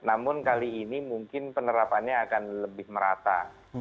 namun kali ini mungkin penerapannya akan lebih merata